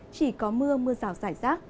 chỉ có mưa mưa rào rải rác